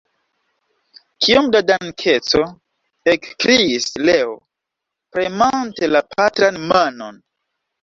Kiom da dankeco! ekkriis Leo, premante la patran manon.